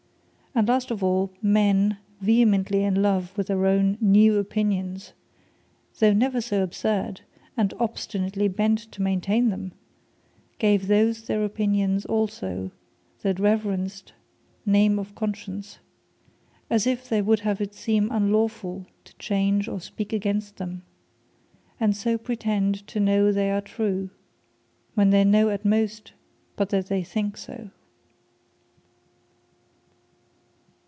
And last of all, men, vehemently in love with their own new opinions, (though never so absurd,) and obstinately bent to maintain them, gave those their opinions also that reverenced name of Conscience, as if they would have it seem unlawful, to change or speak against them; and so pretend to know they are true, when they know at most but that they think so.